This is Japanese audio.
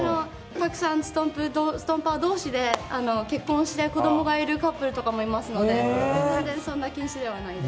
たくさんストンパー同士で結婚して子供がいるカップルとかもいますので全然そんな禁止ではないです。